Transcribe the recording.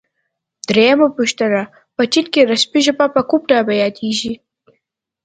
درېمه پوښتنه: په چین کې رسمي ژبه په کوم نامه یادیږي؟